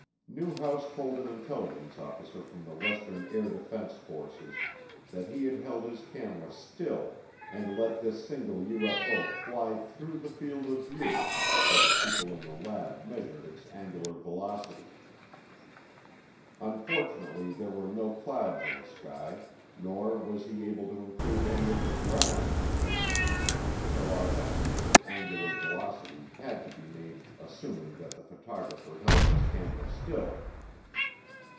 Newhouse told an intelligence officer from the Western Air Defense Forces that he had held his camera still and let this single UFO fly through the field of view, so the people in the lab measured its angular velocity. Unfortunately there were no clouds in the sky, nor was he able to include any of the ground in the pictures, so our estimates of angular velocity had to be made assuming that the photographer held his camera still.